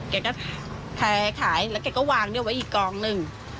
แกก็แพ้ขายแล้วแกก็วางด้วยไว้อีกกองหนึ่ง